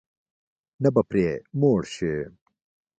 نه به پرې موړ شې.